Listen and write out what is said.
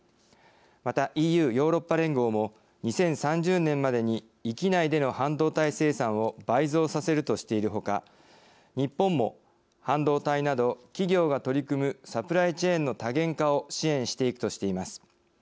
またＥＵ＝ヨーロッパ連合も２０３０年までに域内での半導体生産を倍増させるとしているほか日本も半導体など企業が取り組むサプライチェーンの多元化を支援していくとしています。